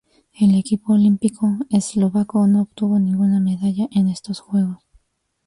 El equipo olímpico eslovaco no obtuvo ninguna medalla en estos Juegos.